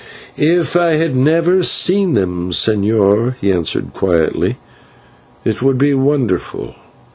"If I had never seen them, señor," he answered, quietly, "it would be wonderful.